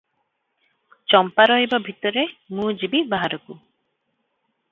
ଚମ୍ପା ରହିବ ଭିତରେ, ମୁଁ ଯିବି ବାହାରକୁ!